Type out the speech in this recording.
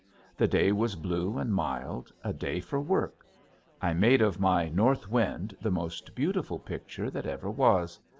The day was blue and mild, a day for work. I made of my "North Wind" the most beautiful picture that ever was.